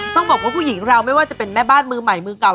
ต้องบอกว่าผู้หญิงเราไม่ว่าจะเป็นแม่บ้านมือใหม่มือเก่า